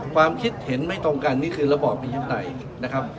ความคิดเห็นไม่ตรงกันนี่คือระบอบไปยึดในนะครับ